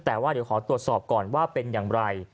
แต่ว่าเดี๋ยวขอตรวจสอบก่อนว่าเป็นอย่างไร